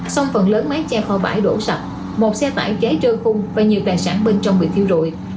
xong phần lớn mái che kho bãi đổ sập một xe vải cháy trơn khung và nhiều tài sản bên trong bị thiêu rụi